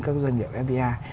các doanh nghiệp fba